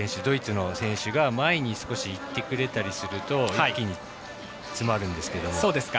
ドイツの選手が少し前に行ってくれたりすると一気に詰まるんですけども。